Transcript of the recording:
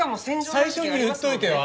最初に言っといてよ。